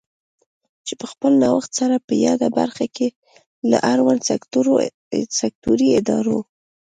چې په خپل نوښت سره په یاده برخه کې له اړوندو سکټوري ادارو